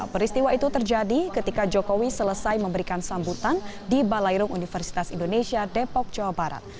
peristiwa itu terjadi ketika jokowi selesai memberikan sambutan di balairung universitas indonesia depok jawa barat